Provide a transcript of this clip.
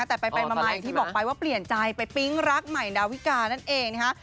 แต่ไปมามายที่บอกไปว่าเปลี่ยนใจไปปิ๊งรักมายดาวิกานั่นเอง